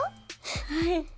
・はい。